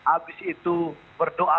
abis itu berdoa